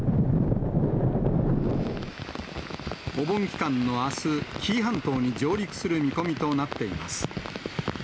お盆期間のあす、紀伊半島に上陸する見込みとなっています。